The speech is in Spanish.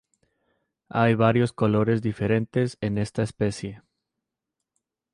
Hay varios colores diferentes en esta especie.